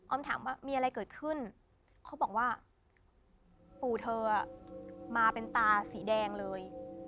ถามว่ามีอะไรเกิดขึ้นเขาบอกว่าปู่เธอมาเป็นตาสีแดงเลย